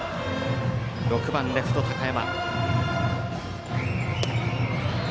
６番レフト高山。